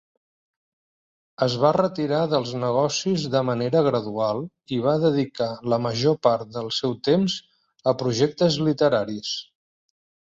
Es va retirar dels negocis de manera gradual i va dedicar la major part del seu temps a projectes literaris.